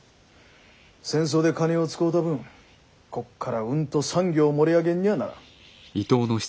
戦争で金を使うた分こっからうんと産業を盛り上げんにゃならん。